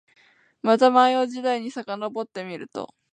また万葉時代にさかのぼってみると、